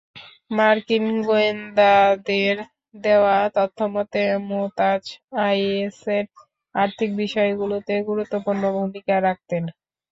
মার্কিন গোয়েন্দাদের দেওয়া তথ্যমতে, মুতাজ আইএসের আর্থিক বিষয়গুলোতে গুরুত্বপূর্ণ ভূমিকা রাখতেন।